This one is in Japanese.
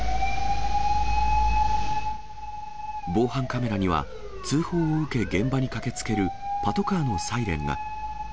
防犯カメラには、通報を受け現場に駆けつけるパトカーのサイレンが。